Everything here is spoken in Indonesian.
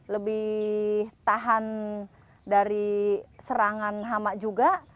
lebih tahan dari serangan hama juga